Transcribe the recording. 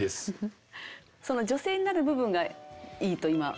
女性になる部分がいいと今。